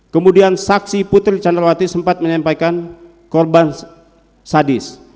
kemudian saksi putri candrawati sempat menyampaikan korban sadis